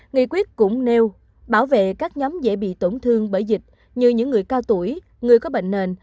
bộ y tế cũng nêu bảo vệ các nhóm dễ bị tổn thương bởi dịch như những người cao tuổi người có bệnh nền